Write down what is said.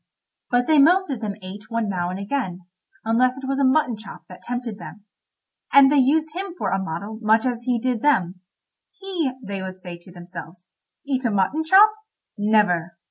But they most of them ate one now and again, unless it was a mutton chop that tempted them. And they used him for a model much as he did them. "He," they would say to themselves, "eat a mutton chop? Never."